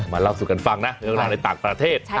เล่าสู่กันฟังนะเรื่องราวในต่างประเทศ